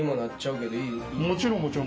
もちろんもちろん。